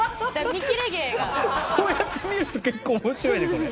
「そうやって見ると結構面白いねこれ」